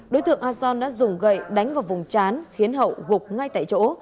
đối tượng arson đã dùng gậy đánh vào vùng trán khiến hậu gục ngay tại chỗ